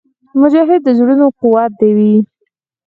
مجاهد د زړونو قوت وي.